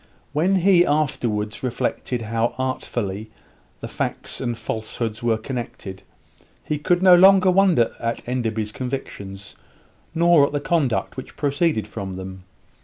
When he afterwards reflected how artfully the facts and falsehoods were connected, he could no longer wonder at Enderby's convictions, nor at the conduct which proceeded from them.